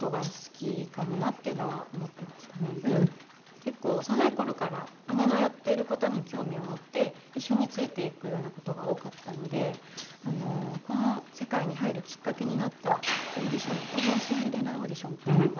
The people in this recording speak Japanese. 結構幼い頃から姉のやっている事に興味を持って一緒についていくような事が多かったのでこの世界に入るきっかけになったオーディション「東宝シンデレラ」オーディションっていうのがあるんですけど。